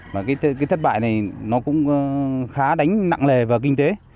và cái thất bại này nó cũng khá đánh nặng lề vào kinh tế